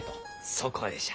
そこでじゃ。